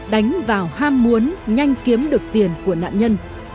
đánh vào ham muốn nhanh kiếm được tiền của nạn nhân